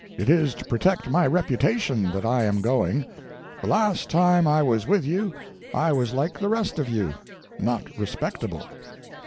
It is to protect my reputation that I am going. The last time I was with you I was like the rest of you not respectable.